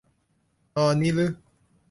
ตอนนี้รึ